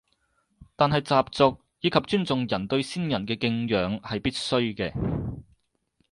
但係習俗以及尊重人對先人嘅敬仰係必須嘅